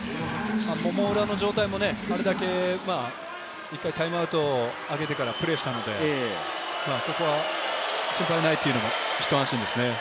もも裏の状態もあれだけ、１回タイムアウトをあけてからプレーしたので、心配ないというのも、ひと安心ですね。